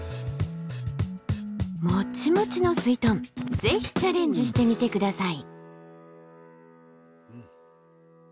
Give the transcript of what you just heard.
モッチモチのすいとんぜひチャレンジしてみて下さい。